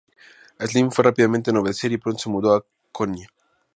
Selim fue rápido en obedecer y pronto se mudó a Konya.